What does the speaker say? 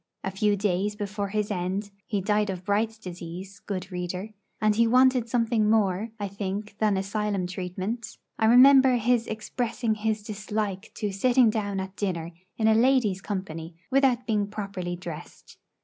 A few days before his end he died of Bright's disease, good reader; and he wanted something more, I think, than asylum treatment I remember his expressing his dislike to sitting down at dinner in a lady's company without being properly dressed.